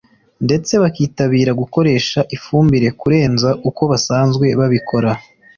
ndetse bakitabira gukoresha ifumbire kurenza uko basanzwe babikora